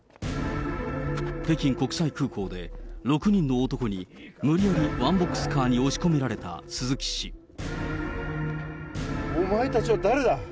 北京国際空港で６人の男に無理やりワンボックスカーに押し込お前たちは誰だ。